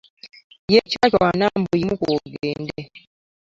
Yecwacwana mbu yimuka ogende.